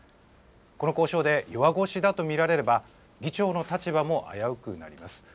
この交渉で弱腰だと見られれば、議長の立場も危うくなります。